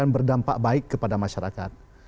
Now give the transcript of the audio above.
berdampak baik kepada masyarakat